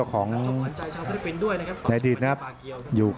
อัศวินาศาสตร์